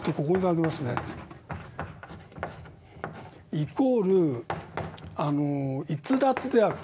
イコール逸脱であると。